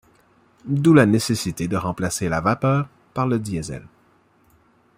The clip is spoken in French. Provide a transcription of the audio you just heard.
D'où la nécessité de remplacer la vapeur par le Diesel.